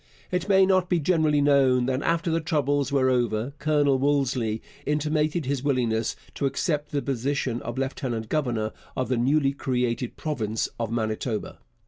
It may not be generally known that after the troubles were over, Colonel Wolseley intimated his willingness to accept the position of lieutenant governor of the newly created province of Manitoba.